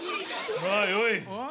まあよい。